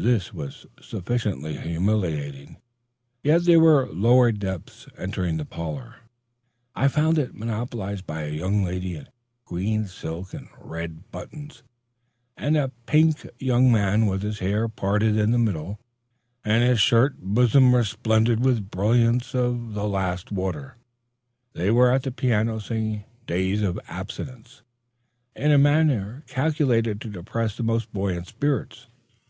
This was sufficiently humiliating, yet were there lower depths. Entering the parlor, I found it monopolized by a young lady in green silk and red ribbons, and a pink young man with his hair parted in the middle and his shirt bosom resplendent with brilliants of the last water. They were at the piano, singing "Days of Absence" in a manner calculated to depress the most buoyant spirits.